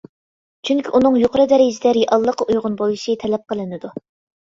چۈنكى ئۇنىڭ يۇقىرى دەرىجىدە رېئاللىققا ئۇيغۇن بولۇشى تەلەپ قىلىنىدۇ.